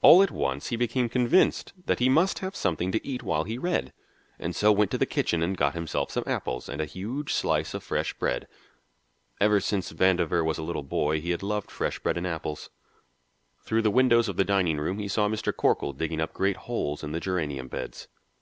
All at once he became convinced that he must have something to eat while he read, and so went to the kitchen and got himself some apples and a huge slice of fresh bread. Ever since Vandover was a little boy he had loved fresh bread and apples. Through the windows of the dining room he saw Mr. Corkle digging up great holes in the geranium beds.